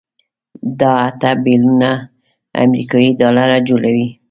دا اته بيلیونه امریکایي ډالره جوړوي.